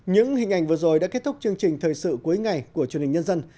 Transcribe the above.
những hình ảnh vừa rồi đã kết thúc chương trình thời sự cuối ngày của chương trình nhân dân